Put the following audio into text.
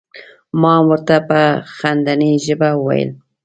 ما هم ور ته په خندنۍ ژبه وویل.